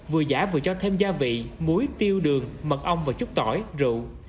vừa giả vừa cho thêm gia vị muối tiêu đường mật ong và chút tỏi rượu